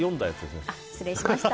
失礼しました。